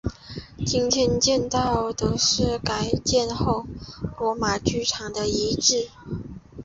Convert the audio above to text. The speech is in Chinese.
今天见到的是改建后的罗马剧场的遗迹。